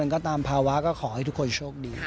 ก็ตามภาวะก็ขอให้ทุกคนโชคดี